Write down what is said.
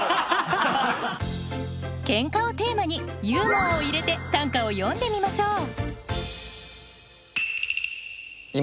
「ケンカ」をテーマにユーモアを入れて短歌を詠んでみましょう。